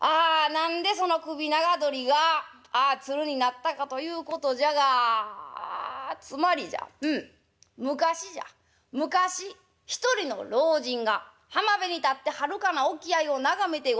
何でその首長鳥がつるになったかということじゃがつまりじゃうん昔じゃ昔一人の老人が浜辺に立ってはるかな沖合を眺めてござったんじゃ。